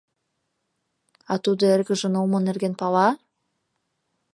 — А тудо эргыжын улмо нерген пала?